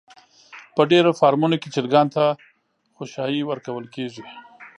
په ډېرو فارمونو کې چرگانو ته خؤشايه ورکول کېږي.